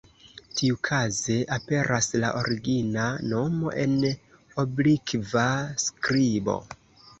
Tiukaze aperas la origina nomo en oblikva skribo.